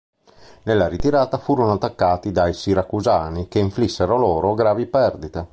Nella ritirata furono attaccati dai siracusani che inflissero loro gravi perdite.